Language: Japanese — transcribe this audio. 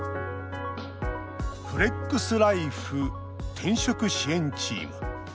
フレックスライフ転職支援チーム。